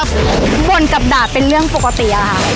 บ่นกับด่าเป็นเรื่องปกติอะค่ะ